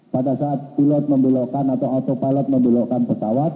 pada saat pilot membelokan atau autopilot membelokkan pesawat